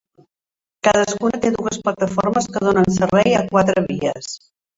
Cadascuna té dues plataformes que donen servei a quatre vies.